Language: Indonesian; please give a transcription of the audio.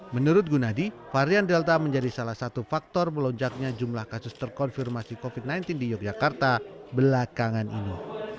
menurut gunadi varian delta menjadi salah satu faktor melonjaknya jumlah kasus terkonfirmasi covid sembilan belas di yogyakarta belakangan ini